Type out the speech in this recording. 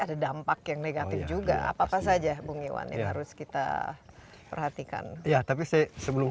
ada dampak yang negatif juga apa apa saja bung iwan yang harus kita perhatikan ya tapi saya sebelum